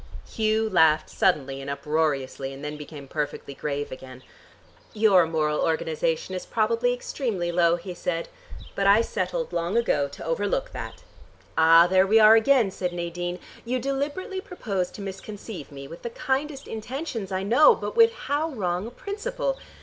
Hugh laughed suddenly and uproariously and then became perfectly grave again. "Your moral organization is probably extremely low," he said. "But I settled long ago to overlook that." "Ah, there we are again," said Nadine. "You deliberately propose to misconceive me, with the kindest intentions I know, but with how wrong a principle.